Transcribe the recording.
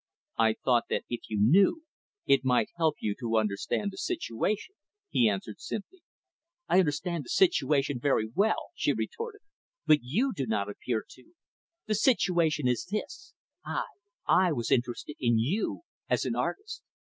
"I thought that if you knew, it might help you to understand the situation," he answered simply. "I understand the situation, very well," she retorted, "but you do not appear to. The situation is this: I I was interested in you as an artist.